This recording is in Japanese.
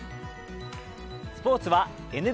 スポーツはＮＢＡ。